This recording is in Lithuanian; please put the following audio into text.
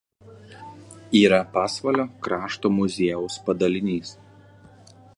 Yra Pasvalio krašto muziejaus padalinys.